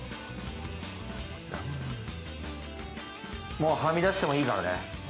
もうはみ出してもいいからね。